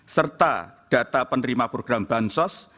serta data penerima program bansos